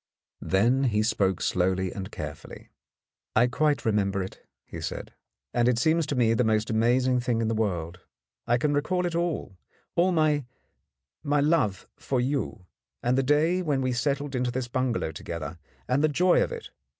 Then he spoke slowly and carefully. "I quite remember it," he said, "and it seems to me the most amazing thing in the world. I can re call it all, all my— my love for you, and the day when we settled into this bungalow together, and the joy of it.